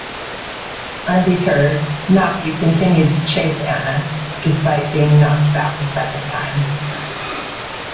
Undeterred, Matthew continued to chase Anna despite being knocked back a second time.